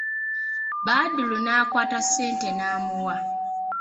Badru n'akwata ssente n'amuwa.